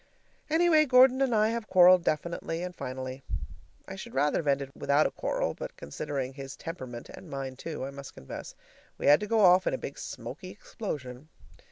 Anyway, Gordon and I have quarreled definitely and finally. I should rather have ended without a quarrel, but considering his temperament, and mine, too, I must confess, we had to go off in a big smoky explosion.